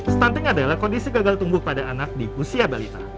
stunting adalah kondisi gagal tumbuh pada anak di usia balita